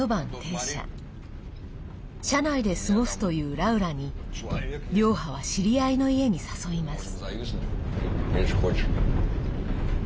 車内で過ごすというラウラにリョーハは知り合いの家に誘います。